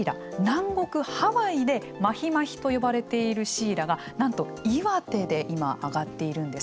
南国ハワイでマヒマヒと呼ばれているシイラがなんと岩手で今揚がっているんです。